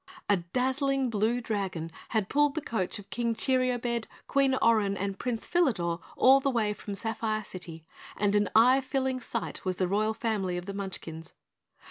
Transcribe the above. A dazzling blue dragon had pulled the coach of King Cheeriobed, Queen Orin and Prince Philador all the way from Sapphire City, and an eye filling sight was the Royal Family of the Munchkins.